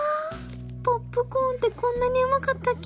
ポップコーンってこんなにうまかったっけ？